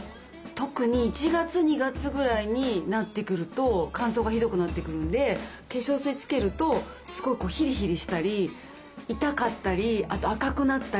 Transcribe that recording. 特に１月２月ぐらいになってくると乾燥がひどくなってくるんで化粧水つけるとすごいヒリヒリしたり痛かったりあと赤くなったり。